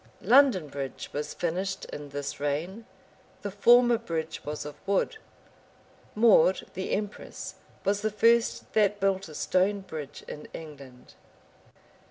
London bridge was finished in this reign: the former bridge was of wood. Maud, the empress, was the first that built a stone bridge in England.